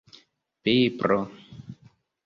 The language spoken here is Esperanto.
pipro